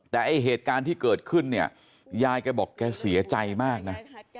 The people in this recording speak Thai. แต่ไอ้เหตุการณ์ที่เกิดขึ้นเนี่ยยายแกบอกแกเสียใจมากนะ